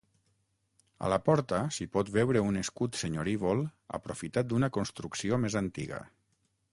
A la porta s'hi pot veure un escut senyorívol aprofitat d'una construcció més antiga.